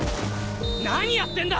何やってんだ！